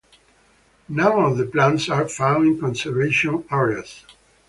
None of the plants are found in conservation areas.